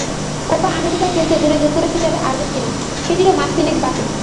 Copa America খেলতে জুনে যুক্তরাষ্ট্রে যাবে আর্জেন্টিনা, সেটিরও মাস তিনেক বাকি।